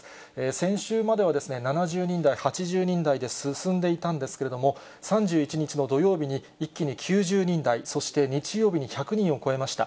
先週までは７０人台、８０人台で進んでいたんですけれども、３１日の土曜日に一気に９０人台、そして日曜日に１００人を超えました。